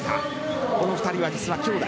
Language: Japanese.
この２人は実は兄弟。